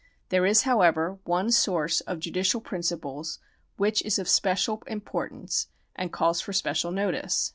There is, however, one soiu ce of judi cial principles which is of special importance, and calls for special notice.